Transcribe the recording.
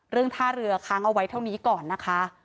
ท่าเรือค้างเอาไว้เท่านี้ก่อนนะคะ